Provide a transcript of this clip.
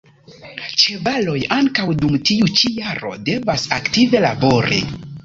Ĉevaloj ankaŭ dum tiu ĉi jaro devas aktive labori.